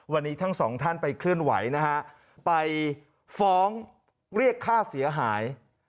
วันนี้ทั้งสองท่านไปเคลื่อนไหวนะฮะไปฟ้องเรียกค่าเสียหาย